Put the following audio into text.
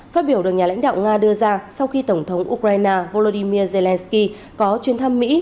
phát biểu được nhà lãnh đạo nga đưa ra sau khi tổng thống ukraine volodymyr zelensky có chuyến thăm mỹ